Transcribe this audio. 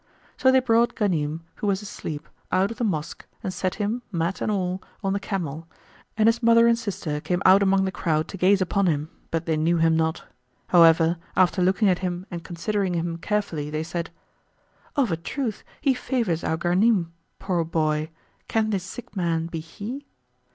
So they brought Ghanim, who was asleep, out of the mosque and set him, mat and all, on the camel; and his mother and sister came out among the crowd to gaze upon him, but they knew him not. However, after looking at him and considering him carefully they said, "Of a truth he favours our Ghanim, poor boy!; can this sick man be he?"